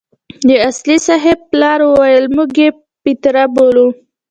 د اصولي صیب پلار وويل موږ يې پتيره بولو.